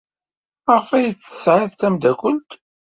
Maɣef ay tt-tesɛid d tameddakelt?